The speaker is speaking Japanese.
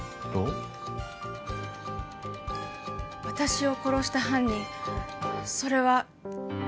私を殺した犯人それは。